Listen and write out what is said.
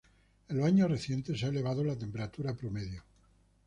En los años recientes se ha elevado la temperatura promedio.